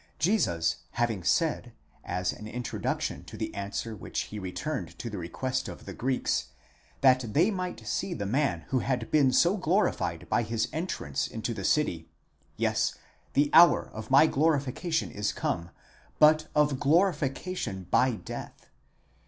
° Jesus having said, as an introduction to the answer which he returned to the request of the Greeks, that they might see the man who had been so glorified by his entrance into the city: Yes, the hour of my glorifica tion is come, but of glorification by death (xii.